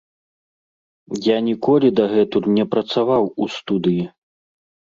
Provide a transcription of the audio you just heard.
Я ніколі дагэтуль не працаваў у студыі.